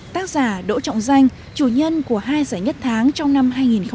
tác giả đỗ trọng danh chủ nhân của hai giải nhất tháng trong năm hai nghìn một mươi tám